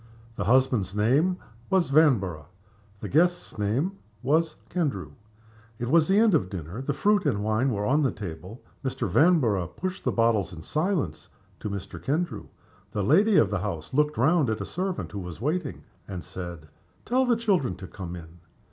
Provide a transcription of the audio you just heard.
The husband's name was Vanborough. The guest's name was Kendrew. It was the end of the dinner. The fruit and the wine were on the table. Mr. Vanborough pushed the bottles in silence to Mr. Kendrew. The lady of the house looked round at the servant who was waiting, and said, "Tell the children to come in."